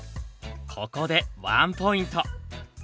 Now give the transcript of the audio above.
ここでワンポイント。